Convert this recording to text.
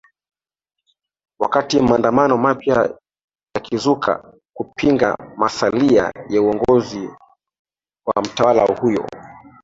wakati maandamano mapya yakizuka kupinga masalia ya uongozi wa mtawala huyo